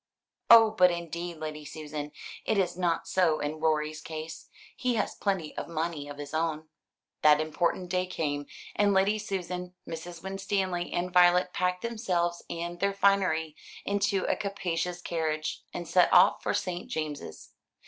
"Oh, but indeed, Lady Susan, it is not so in Rorie's case. He has plenty of money of his own." The important day came; and Lady Susan, Mrs. Winstanley, and Violet packed themselves and their finery into a capacious carriage, and set off for St. James's.